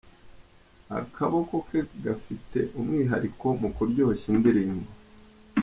Akaboko ke gafite umwihariko mu kuryoshya indirimbo….